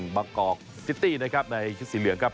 มาก็อกซิตี้ในชุดสีเหลืองครับ